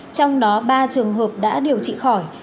trong đó ba trường hợp đã điều trị khỏi